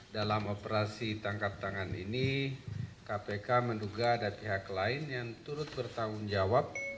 dalam operasi tangkap tangan ini kpk menduga ada pihak lain yang turut bertanggung jawab